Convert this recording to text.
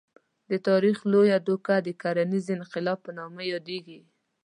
د تاریخ لویه دوکه د کرنیز انقلاب په نامه یادېږي.